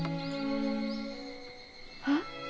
あっ。